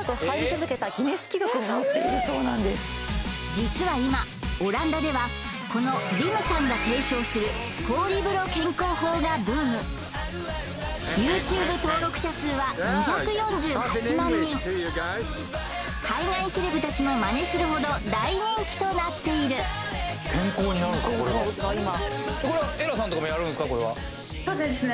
実は今オランダではこのヴィムさんが提唱する氷風呂健康法がブーム海外セレブたちもまねするほど大人気となっている健康になるんですかこれがそうですね